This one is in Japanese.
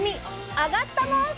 あがったもんせ！